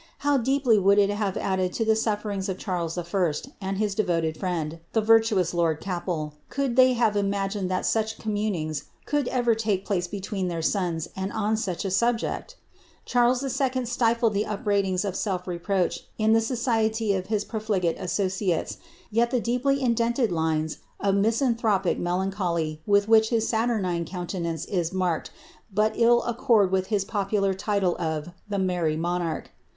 How deeply would it hire addefi to the sutlerings of Charles I., and iiis devoted friend, the virtuotis lord Capel, could they have imagined that such communings could ever take place between their sons, and on such a subject ! Charles II. stifled tlie iipl)raidin?s of self reproach in the society of his profligate associatefl yet tlic deeply indented lines of misanthropic melancholy with whidk his saturnine countenance is marked, but ill accord with his popular title of *• the merry monarch."